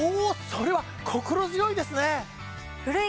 それは心強いですね！